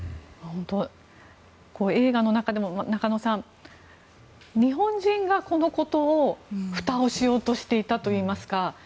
本当に、映画の中でも日本人が、このことにふたをしようとしていたといいますか。